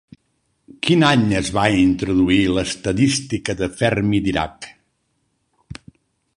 Quin any es va introduir l'estadística de Fermi-Dirac?